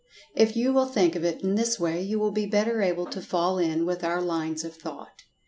If you will think of it in this way, you will be better able to fall in with our lines of thought.